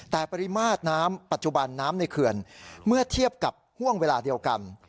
แต่ปริมาตรน้ำปัจจุบันน้ำในเขื่อนเมื่อเทียบกับห่วงเวลาเดียวกัน